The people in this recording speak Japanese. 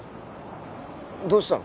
どうしたの？